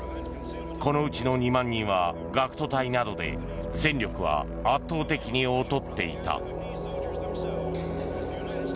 このうちの２万人は学徒隊などで戦力は圧倒的に劣っていた。